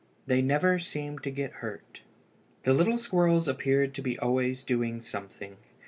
They never seemed to get hurt. The little squirrels appeared to be always doing something.